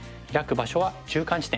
場所は中間地点。